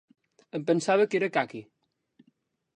Em pensava que era caqui!